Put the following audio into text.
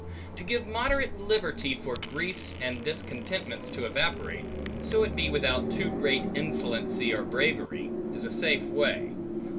To give moderate liberty for griefs and discontentments to evaporate (so it be without too great insolency or bravery), is a safe way.